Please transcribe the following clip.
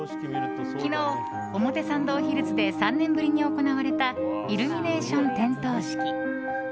昨日、表参道ヒルズで３年ぶりに行われたイルミネーション点灯式。